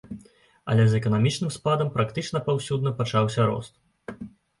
Але за эканамічным спадам практычна паўсюдна пачаўся рост.